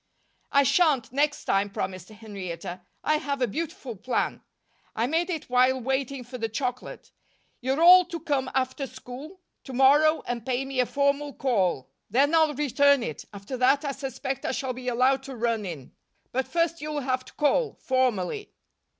"I shan't, next time," promised Henrietta. "I have a beautiful plan. I made it while waiting for the chocolate. You're all to come after school to morrow and pay me a formal call. Then I'll return it. After that, I suspect I shall be allowed to run in. But first you'll have to call, formally."